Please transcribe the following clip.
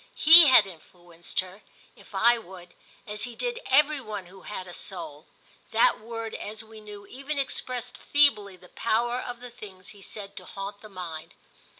He had influenced her, if I would, as he did every one who had a soul: that word, as we knew, even expressed feebly the power of the things he said to haunt the mind.